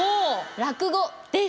落語です。